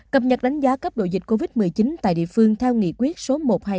cập nhật đánh giá cấp độ dịch covid một mươi chín tại địa phương theo nghị quyết số một trăm hai mươi năm